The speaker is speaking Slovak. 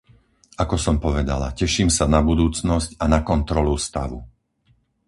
Ako som povedala, teším sa na budúcnosť a na kontrolu stavu.